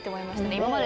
今まで。